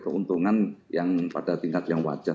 keuntungan yang pada tingkat yang wajar